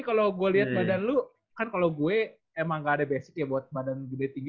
kalau gue lihat badan lo kan kalau gue emang gak ada basic ya buat badan jude tiga